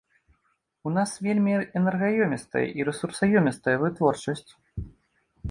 У нас вельмі энергаёмістая і рэсурсаёмістая вытворчасць.